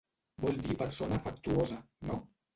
Vol dir persona afectuosa, no?